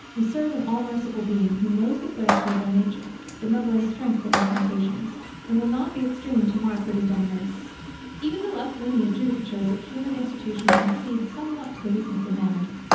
We serve an all merciful Being, who knows the frailty of our nature, the number and strength of our temptations, and will not be extreme to mark what is done amiss. Even the less lenient judicatures of human institution concede somewhat to the weakness of man.